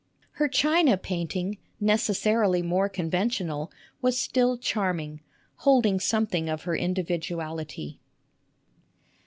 Her china painting necessarily more conventional was still charming, holding something of her individuality.